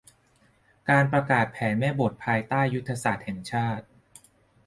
การประกาศแผนแม่บทภายใต้ ยุทธศาสตร์ชาติ